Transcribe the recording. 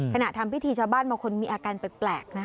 ทำพิธีชาวบ้านบางคนมีอาการแปลกนะ